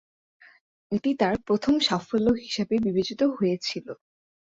এটি তার প্রথম সাফল্য হিসাবে বিবেচিত হয়েছিল।